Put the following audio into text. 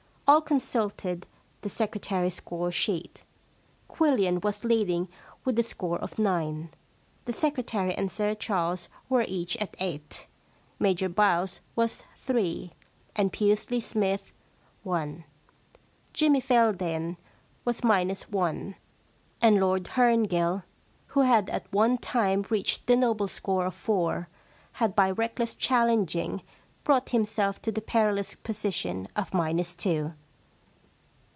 All consulted the secretary's score sheet. Quillian was leading with a score of nine. The secretary and Sir Charles were each at eight. Major Byles was three, and Pusely Smythe one. Jimmy Fel dane was minus one, and Lord Herngill — who had at one time reached the noble score of four — had by reckless challenging brought himself to the perilous position of minus two.